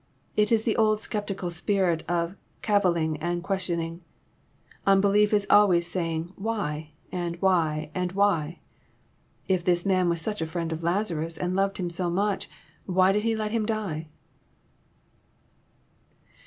It is the old sceptical spirit of cavilling and ques tioning. Unbelief is always saying why? and why? and why? <* If this Man was such a friend of Lazarus, and loved him so much, why did He let him die